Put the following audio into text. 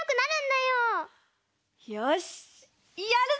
よしやるぞ！